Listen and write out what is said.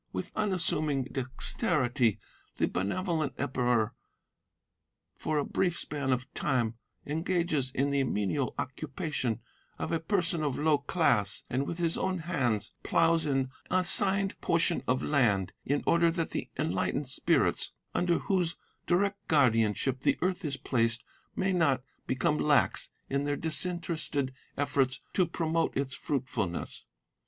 With unassuming dexterity the benevolent Emperor for a brief span of time engages in the menial occupation of a person of low class, and with his own hands ploughs an assigned portion of land in order that the enlightened spirits under whose direct guardianship the earth is placed may not become lax in their disinterested efforts to promote its fruitfulness.